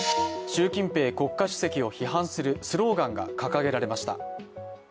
習近平国家主席を批判するスローガンが掲げられました。